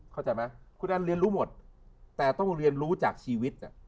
เข้าใจไหมคุณอันเรียนรู้หมดแต่ต้องเรียนรู้จากชีวิต